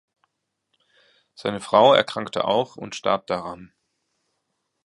Seine Frau erkrankte auch und starb daran.